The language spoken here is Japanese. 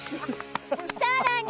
さらに！